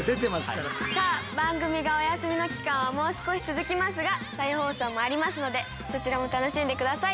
さあ番組がお休みの期間はもう少し続きますが再放送もありますのでそちらも楽しんで下さい。